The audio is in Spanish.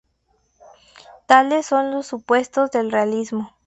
Tales son los supuestos del "realismo".